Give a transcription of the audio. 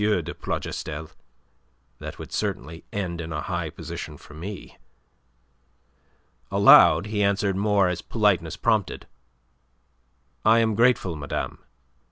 de Plougastel. That would certainly end in a high position for me." Aloud he answered more as politeness prompted. "I am grateful, madame.